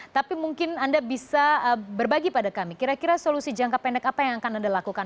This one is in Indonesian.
tapi mungkin anda bisa berbagi pada kami kira kira solusi jangka pendek apa yang akan anda lakukan